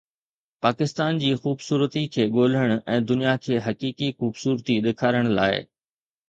پاڪستان جي خوبصورتي کي ڳولڻ ۽ دنيا کي حقيقي خوبصورتي ڏيکارڻ لاء